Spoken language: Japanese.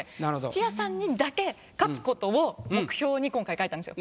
土屋さんにだけ勝つことを目標に今回描いたんですよ。